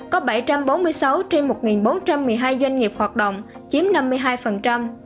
có bảy trăm bốn mươi sáu trên một bốn trăm một mươi hai doanh nghiệp hoạt động chiếm năm mươi hai